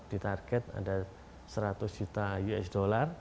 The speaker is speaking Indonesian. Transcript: di target ada seratus juta usd